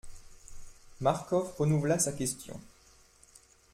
Marcof renouvela sa question.